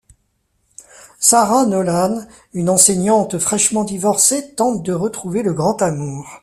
Sarah Nolan, une enseignante fraîchement divorcée, tente de retrouver le grand amour.